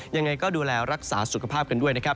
ยังไงก็ดูแลรักษาสุขภาพกันด้วยนะครับ